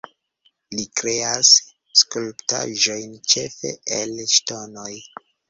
Li kreas skulptaĵojn ĉefe el ŝtonoj.